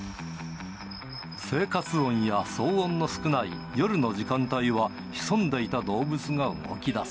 生活音や騒音の少ない夜の時間帯は潜んでいた動物が動き出す。